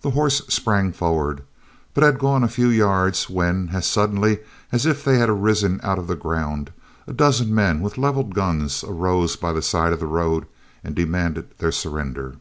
The horse sprang forward, but had gone but a few yards, when as suddenly as if they had arisen out of the ground, a dozen men, with levelled guns, arose by the side of the road, and demanded their surrender.